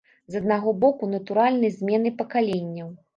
З аднаго боку, натуральнай зменай пакаленняў.